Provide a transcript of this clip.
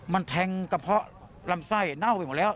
มันแทงกระเพาะลำไส้เน่าไปหมดแล้ว